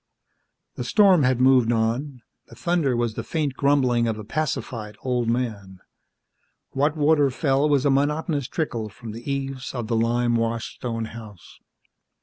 The storm had moved on; the thunder was the faint grumbling of a pacified old man. What water fell was a monotonous trickle from the eaves of the lime washed stone house.